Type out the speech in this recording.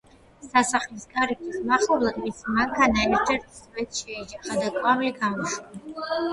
სასახლის კარიბჭის მახლობლად მისი მანქანა ერთ-ერთ სვეტს შეეჯახა და კვამლი გაუშვა.